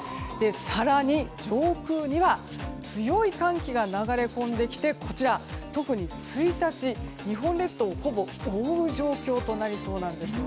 更に、上空には強い寒気が流れ込んできて特に１日、日本列島をほぼ覆う状況となりそうです。